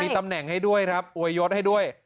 ตำแหน่งให้ด้วยครับอวยยศให้ด้วย